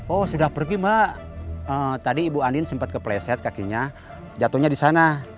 oh sudah pergi mbak tadi ibu andi sempat kepleset kakinya jatuhnya disana